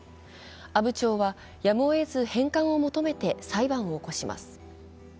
阿武町は、やむをえず返還を求めて裁判を起こします。